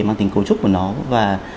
mang tính cấu trúc của nó và